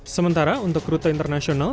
sementara untuk rute internasional